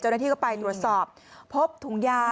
เจ้าหน้าที่ก็ไปตรวจสอบพบถุงยา